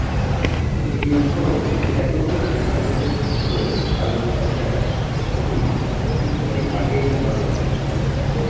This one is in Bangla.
নিয়ম হলো, অ্যাটর্নি জেনারেলের দপ্তরে আবেদনকারীরা একটি কপি আগেই জমা দেন।